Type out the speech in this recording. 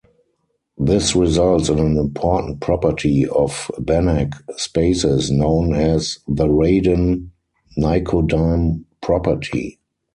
This results in an important property of Banach spaces known as the Radon-Nikodym property.